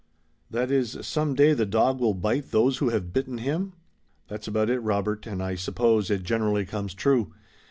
"That is, some day the dog will bite those who have bitten him?" "That's about it, Robert, and I suppose it generally comes true.